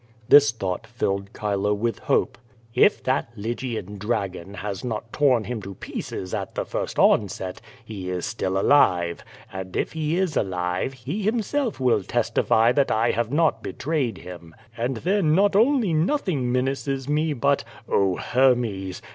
This thought filled Chilo with hope. "If that liVgian dragon has not torn him to pieces at the first onset, he is still alive, and if he is alive, he himself will QUO VADIS. 1 7 testify that I have not belra3'ecl him: and tlien not only nothing menaces me, but — 0 Ilermos!